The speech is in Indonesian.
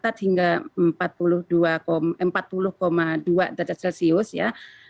hingga empat puluh dua derajat celcius ya